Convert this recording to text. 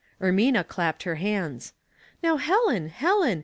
157 Ermina clapped her hands. "Now, Helen, Helen!